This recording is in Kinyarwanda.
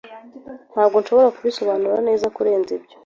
Ntabwo nshobora kubisobanura neza kurenza ibyo.